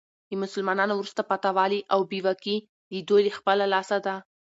د مسلمانانو وروسته پاته والي او بي واکي د دوې له خپله لاسه ده.